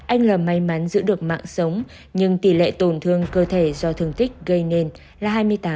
anh lâm may mắn giữ được mạng sống nhưng tỷ lệ tổn thương cơ thể do thương tích gây nên là hai mươi tám